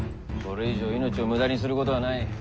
これ以上命を無駄にすることはない。